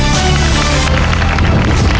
ขอบคุณครับ